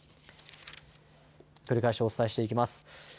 繰り返しお伝えしていきます。